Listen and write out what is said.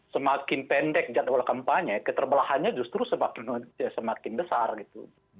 semakin pendek jadwal kampanye keterbelahannya justru semakin besar gitu